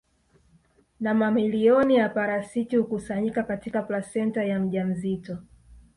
Na mamilioni ya parasiti hukusanyika katika plasenta ya mjamzito